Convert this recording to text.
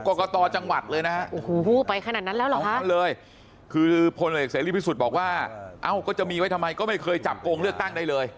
ครับเลยคือพลเหลกเสร็จริงที่สุดบอกว่าเอ้าก็จะมีไว้ทำไมก็ไม่เคยจับโกงเลือกตั้งได้เลย